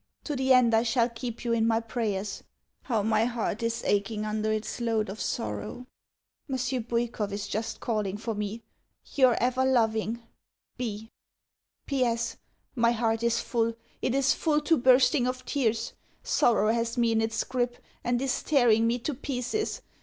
To the end I shall keep you in my prayers. How my heart is aching under its load of sorrow!... Monsieur Bwikov is just calling for me.... Your ever loving B. P.S. My heart is full! It is full to bursting of tears! Sorrow has me in its grip, and is tearing me to pieces.